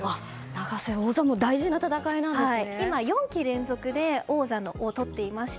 永瀬王座も大事な戦いなんですね。